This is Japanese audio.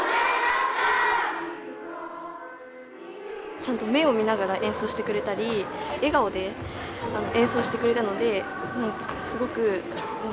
ちゃんと目を見ながら演奏してくれたり笑顔で演奏してくれたのですごく感動しました。